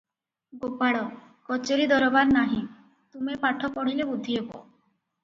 ଗୋପାଳ - "କଚେରି ଦରବାର ନାହିଁ, ତୁମେ ପାଠ ପଢ଼ିଲେ ବୁଦ୍ଧି ହେବ ।"